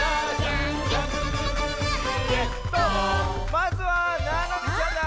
まずはななみちゃんだ！